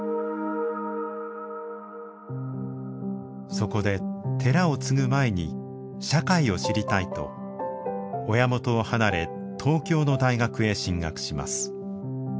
そこで寺を継ぐ前に社会を知りたいと親元を離れ東京の大学へ進学します。